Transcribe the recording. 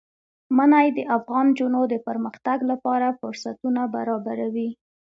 منی د افغان نجونو د پرمختګ لپاره فرصتونه برابروي.